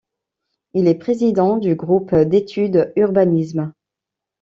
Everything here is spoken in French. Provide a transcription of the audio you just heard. Il est président du groupe d'étude Urbanisme.